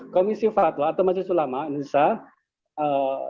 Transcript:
komisi fatwa atau masjid sulama indonesia